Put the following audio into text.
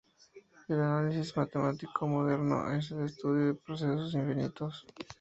El análisis matemático moderno es el estudio de procesos infinitos.